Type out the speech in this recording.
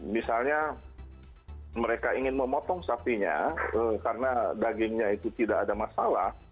misalnya mereka ingin memotong sapinya karena dagingnya itu tidak ada masalah